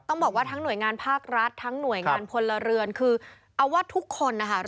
ต้องบอกว่าทั้งหน่วยงานภาครัฐทั้งหน่วยงานพลเรือนคือเอาว่าทุกคนนะคะ